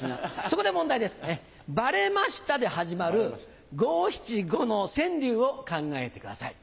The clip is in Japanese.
そこで問題です「バレました」で始まる五・七・五の川柳を考えてください。